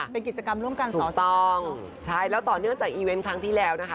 เป็นกิจกรรมร่วมกันสอถูกต้องใช่แล้วต่อเนื่องจากอีเวนต์ครั้งที่แล้วนะคะ